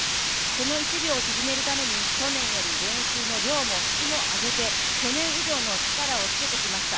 この１秒を縮めるために去年より練習の量も質も上げて、去年以上の力をつけてきました。